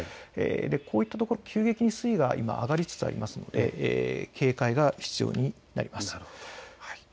こういったところ、急激に今、水位が上がりつつありますので警戒が必要になります。